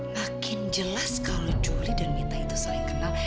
makin jelas kalau curi dan mita itu saling kenal